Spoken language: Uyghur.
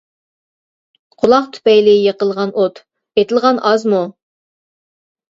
قۇلاق تۈپەيلى يېقىلغان ئوت، ئېتىلغان ئازمۇ؟ !